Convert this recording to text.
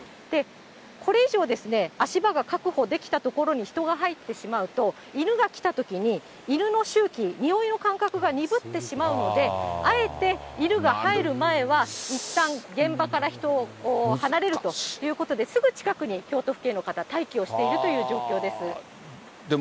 これ以上、足場が確保できたところに人が入ってしまうと、犬が来たときに、犬の臭気、においの感覚が鈍ってしまうので、あえて犬が入る前は、いったん現場から人を離れるということで、すぐ近くに京都府警の方、待機をしているという状況です。